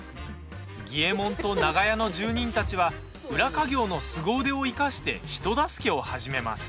儀右衛門と長屋の住人たちは裏稼業のすご腕を生かして人助けを始めます。